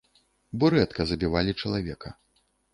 Бо рэдка забівалі чалавека.